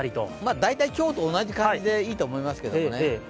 大体今日と同じ感じでいいと思いますけどね。